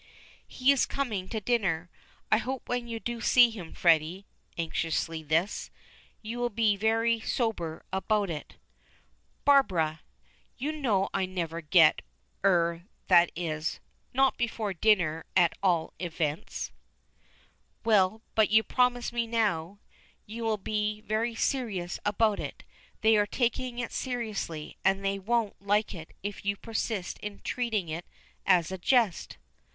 "He is coming to dinner. I hope when you do see him. Freddy," anxiously this "you will be very sober about it." "Barbara! You know I never get er that is not before dinner at all events." "Well, but promise me now, you will be very serious about it. They are taking it seriously, and they won't like it if you persist in treating it as a jest."